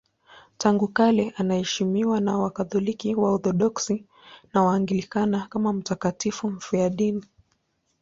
Tangu kale anaheshimiwa na Wakatoliki, Waorthodoksi na Waanglikana kama mtakatifu mfiadini.